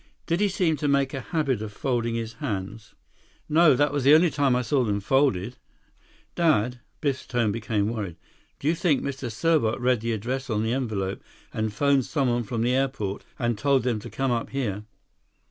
Did he seem to make a habit of folding his hands?" "No, that was the only time I saw them folded. Dad"—Biff's tone became worried—"do you think Mr. Serbot read the address on the envelope and phoned someone from the airport, and told them to come up here?"